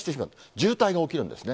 渋滞が起きるんですね。